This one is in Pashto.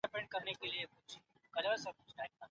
بايد يو کش ورکړو .